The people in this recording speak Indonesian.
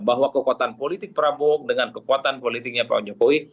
bahwa kekuatan politik prabowo dengan kekuatan politiknya pak jokowi